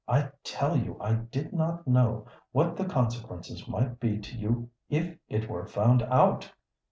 I tell you I did not know what the consequences might be to you if it were found out.